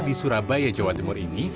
di surabaya jawa timur ini